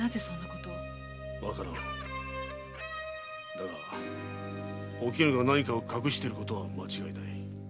だがお絹が何かを隠していることは間違いない。